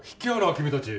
君たち。